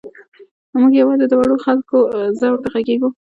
موږ یوازې د وړو خلکو ځور ته غږېږو.